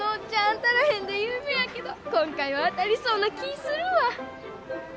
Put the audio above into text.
当たらへんで有名やけど今回は当たりそうな気ぃするわ！